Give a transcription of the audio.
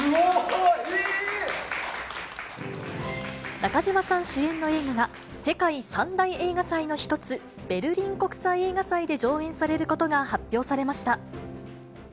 中島さん主演の映画が、世界三大映画祭の一つ、ベルリン国際映画祭で上映されることが発表されました。